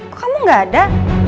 kok kamu gak ada